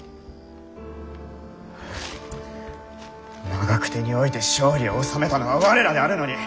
長久手において勝利を収めたのは我らであるのに！